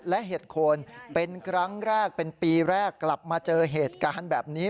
และเห็ดโคนเป็นครั้งแรกเป็นปีแรกกลับมาเจอเหตุการณ์แบบนี้